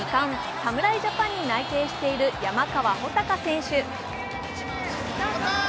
侍ジャパンに内定している山川穂高選手。